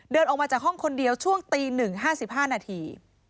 เดินออกมาจากห้องคนเดียวช่วงตี๑๕๕นาที